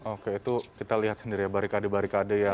oke itu kita lihat sendiri ya barikade barikade ya